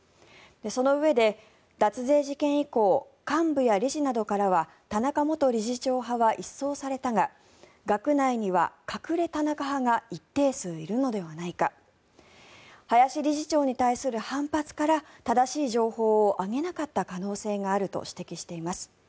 そのうえで、脱税事件以降幹部や理事などからは田中元理事長派は一掃されたが学内には隠れ田中派が一定数いるのではないか林理事長に対する反発から正しい情報を上げなかった可能性があると指摘しています。